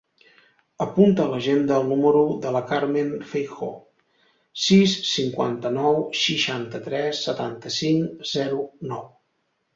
Apunta a l'agenda el número de la Carmen Feijoo: sis, cinquanta-nou, seixanta-tres, setanta-cinc, zero, nou.